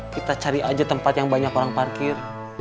kita cari aja tempat yang banyak orang parkir